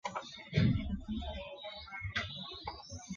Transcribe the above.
自旋玻璃是磁性合金材料的一种亚稳定的状态。